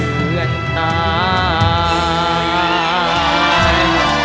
เหมือนตาย